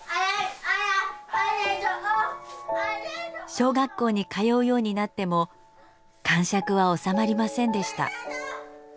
小学校に通うようになってもかんしゃくはおさまりませんでした。